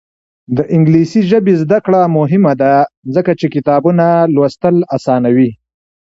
د انګلیسي ژبې زده کړه مهمه ده ځکه چې کتابونه لوستل اسانوي.